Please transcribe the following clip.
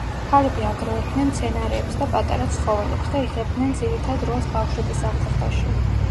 ქალები აგროვებდნენ მცენარეებს და პატარა ცხოველებს და იღებდნენ ძირითად როლს ბავშვების აღზრდაში.